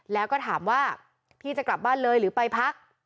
แล้วก็ถามว่าพี่จะกลับบ้านเลยหรือไปพัก